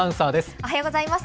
おはようございます。